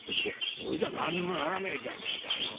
「それじゃ何にもならねえじゃねえかよ。